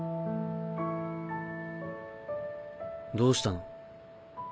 どうしたの？